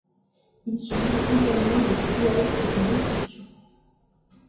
Il subit également des pillages et des destructions.